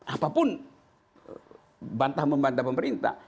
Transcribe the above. apapun bantah membantah pemerintah